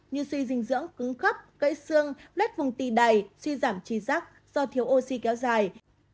như suy dinh dưỡng cứng khắp gây xương lết vùng tì đầy suy giảm trí giác do thiếu oxy kéo dài